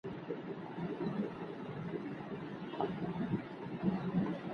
دوبی بې رخصتیو نه وي.